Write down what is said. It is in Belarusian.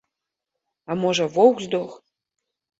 А можа, воўк здох?